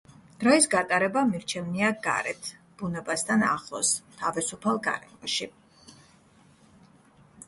დროის გატარება მირჩევნია გარეთ, ბუნებასთან ახლოს, თავისუფალ გარემოში.